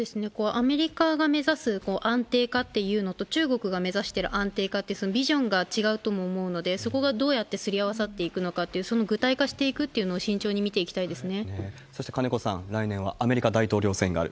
アメリカが目指す安定かっていうのと、中国が目指している安定かって、ビジョンが違うとも思うので、そこがどうやってすり合わさっていくのかっていう、その具体化していくというのを慎重に見ていきたそして、金子さん、来年はアメリカ大統領選がある。